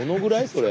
それ。